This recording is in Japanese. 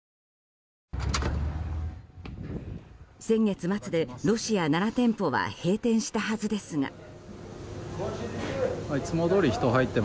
先月末で、ロシア７店舗は閉店したはずですが。